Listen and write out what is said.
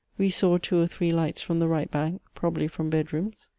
We saw two or three lights from the right bank, probably from bed rooms.